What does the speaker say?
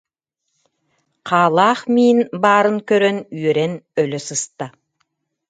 Хаалаах миин баарын көрөн үөрэн өлө сыста